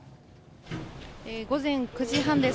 午前９時半です。